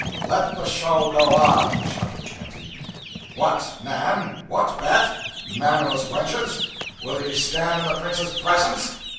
"Let the show go on!" shouted Canty. "What, Nan! what, Bet! mannerless wenches! will ye stand in the Prince's presence?